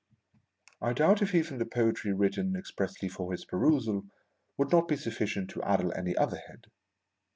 I doubt if even the poetry written expressly for his perusal would not be sufficient to addle any other head.